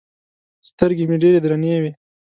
سترګې مې ډېرې درنې وې.